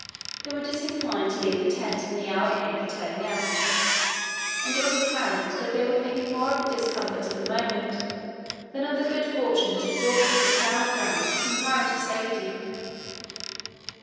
They were disinclined to leave the tents when the hour came for turning out, and it was apparent they were thinking more of the discomforts of the moment than of the good fortune that had brought us to sound ground and comparative safety.